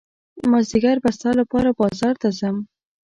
مازدیګر به ستا لپاره بازار ته ځم.